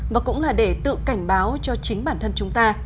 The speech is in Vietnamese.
và cũng là để tự cảnh báo cho chính bản thân chúng ta